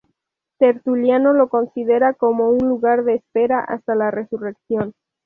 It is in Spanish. Tertuliano lo considera como un lugar de espera hasta la resurrección.